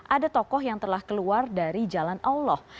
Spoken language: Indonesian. ada tokoh yang telah keluar dari jalan allah